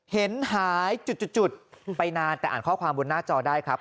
หายจุดไปนานแต่อ่านข้อความบนหน้าจอได้ครับ